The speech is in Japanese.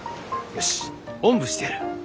よしおんぶしてやる。